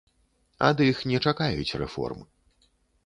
Ад іх не чакаюць рэформ.